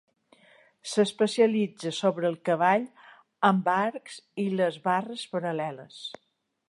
S'especialitza sobre el cavall amb arcs i les barres paral·leles.